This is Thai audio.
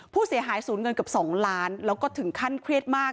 ผู้เสียหายสูญเงินเกือบ๒ล้านแล้วก็ถึงขั้นเครียดมาก